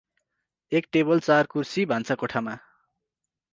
एक टेवल चार कुर्र्सी, भान्छा कोठामा ।